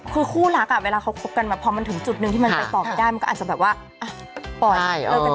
คือคู่คุกกันพอถึงจุดที่มันก็อาจจะบอกได้